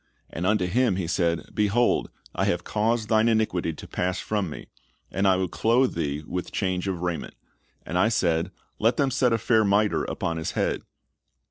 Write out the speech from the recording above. And unto him he said, Behold, I have caused thine iniquity to pass from thee, and I will clothe thee with change of raiment. And I said, Let them set a fair miter, upon his head.